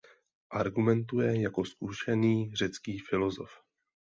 Argumentuje jako zkušený řecký filosof.